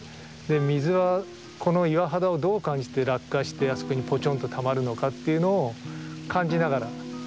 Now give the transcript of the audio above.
水はこの岩肌をどう感じて落下してあそこにポチョンとたまるのかというのを感じながら。